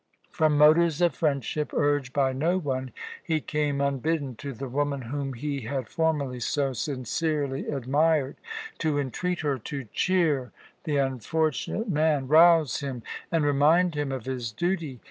From motives of friendship, urged by no one, he came unbidden to the woman whom he had formerly so sincerely admired, to entreat her to cheer the unfortunate man, rouse him, and remind him of his duty.